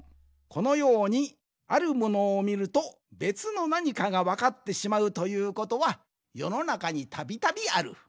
このようにあるものをみるとべつのなにかがわかってしまうということはよのなかにたびたびある。